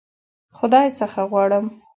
خدای څخه غواړم.